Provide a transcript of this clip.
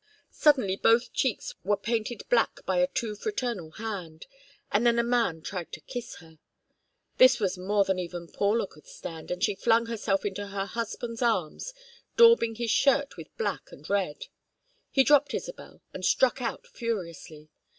Suddenly both cheeks were painted black by a too fraternal hand, and then a man tried to kiss her. This was more than even Paula could stand, and she flung herself into her husband's arms, daubing his shirt with black and red. He dropped Isabel and struck out furiously.